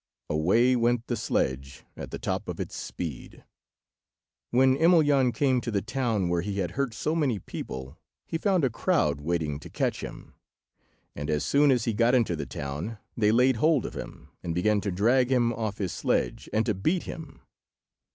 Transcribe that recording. Away went the sledge at the top of its speed. When Emelyan came to the town where he had hurt so many people, he found a crowd waiting to catch him, and as soon as he got into the town they laid hold of him, and began to drag him off his sledge and to beat him.